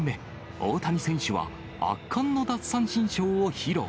大谷選手は圧巻の奪三振ショーを披露。